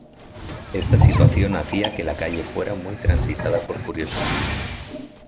Esta situación hacía que la calle fuera muy transitada por curiosos.